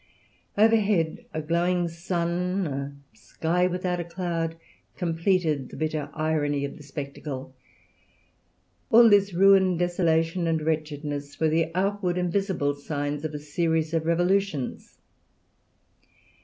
Overhead a glowing sun, a sky without a cloud, completed the bitter irony of the spectacle. All this ruin, desolation, and wretchedness were the outward and visible signs of a series of revolutions.